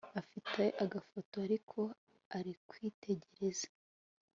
afite agafoto ariko ari kwitegereza